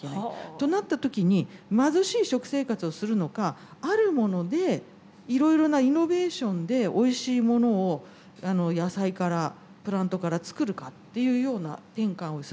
となった時に貧しい食生活をするのかあるものでいろいろなイノベーションでおいしいものを野菜からプラントから作るかっていうような転換をする。